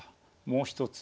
もう一つ。